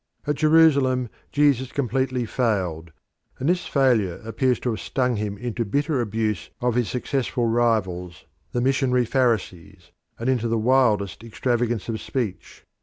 At Jerusalem Jesus completely failed, and this failure appears to have stung him into bitter abuse of his successful rivals the missionary Pharisees, and into the wildest extravagance of speech.